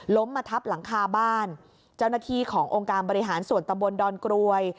มาทับหลังคาบ้านเจ้าหน้าที่ขององค์การบริหารส่วนตำบลดอนกรวย